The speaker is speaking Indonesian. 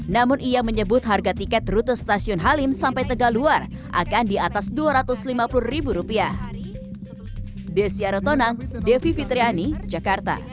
namun ia menyebut harga tiket rute stasiun halim sampai tegaluar akan di atas dua ratus lima puluh ribu rupiah